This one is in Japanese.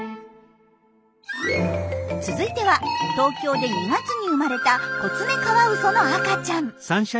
続いては東京で２月に生まれたコツメカワウソの赤ちゃん。